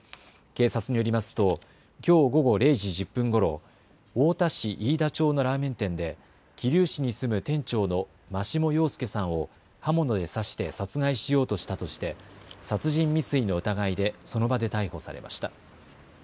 警察によりますときょう午後０時１０分ごろ太田市飯田町のラーメン店で桐生市に住む店長の眞下陽介さんを刃物で刺して殺害しようとしたとして殺人未遂の疑いでその場で逮捕されました。